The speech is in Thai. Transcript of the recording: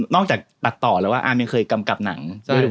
จากตัดต่อแล้วว่าอาร์มยังเคยกำกับหนัง